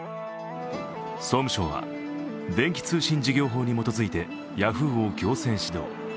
総務省は電気通信事業法に基づいてヤフーを行政指導。